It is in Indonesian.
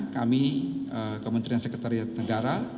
kami kementerian sekretaris negara